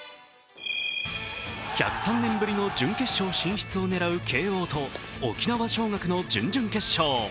１０３年ぶりの準決勝進出を狙う慶応と沖縄尚学の準々決勝。